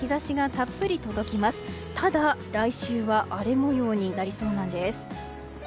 ただ、来週は荒れもようになりそうなんです。